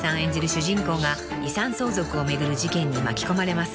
主人公が遺産相続を巡る事件に巻き込まれます］